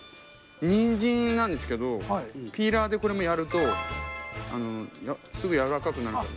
ニンジンなんですけどピーラーでこれもやるとすぐやわらかくなるから。